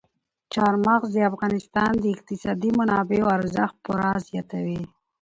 چار مغز د افغانستان د اقتصادي منابعو ارزښت پوره زیاتوي.